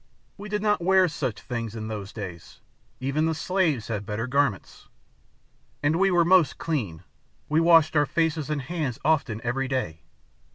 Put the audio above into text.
"We did not wear such things in those days. Even the slaves had better garments. And we were most clean. We washed our faces and hands often every day.